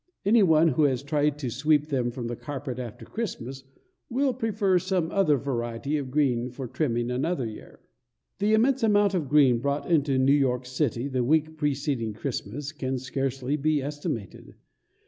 Any one who has tried to sweep them from the carpet after Christmas, will prefer some other variety of green for trimming another year. The immense amount of green brought into New York city the week preceding Christmas can scarcely be estimated.